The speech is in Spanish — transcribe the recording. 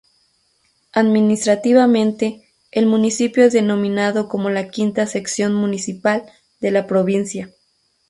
Administrativamente, el municipio es denominado como la "quinta sección municipal" de la provincia.